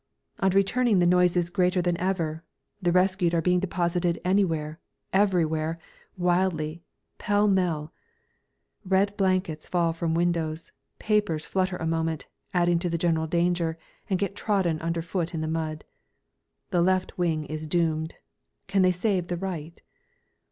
On returning the noise is greater than ever. The rescued are being deposited anywhere everywhere wildly pêle mêle. Red blankets fall from windows, papers flutter a moment, adding to the general danger, and get trodden under foot in the mud. "The left wing is doomed. Can they save the right?"